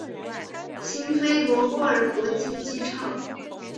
辛菲罗波尔国际机场。